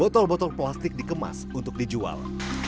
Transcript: botol botol plastik dikemas untuk dijual